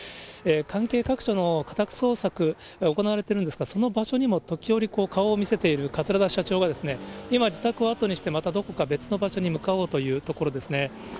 関係各所の家宅捜索行われてるんですが、その場所にも時折、顔を見せている桂田社長が、今、自宅を後にして、またどこか別の場所に向かおうというところですね。